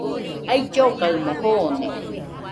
Aullogaɨmo joone.